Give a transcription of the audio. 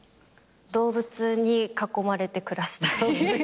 動物に囲まれて暮らしたい。